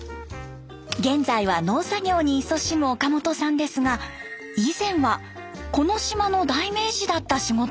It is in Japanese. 現在は農作業にいそしむ岡本さんですが以前はこの島の代名詞だった仕事をしていました。